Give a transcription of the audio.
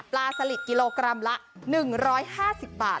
สลิดกิโลกรัมละ๑๕๐บาท